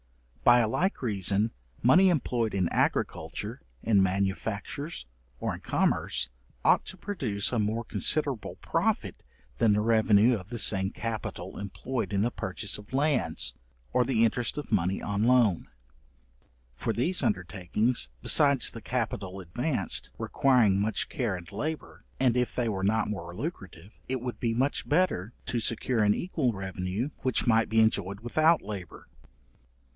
By a like reason, money employed in agriculture, in manufactures, or in commerce, ought to produce a more considerable profit than the revenue of the same capital employed in the purchase of lands, or the interest of money on loan; for these undertakings, besides the capital advanced, requiring much care and labour, and if they were not more lucrative, it would be much better to secure an equal revenue, which might be enjoyed without labour.